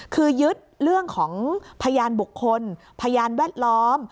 คือยึดเรื่องของพยานบุคคลพยานแวดล้อม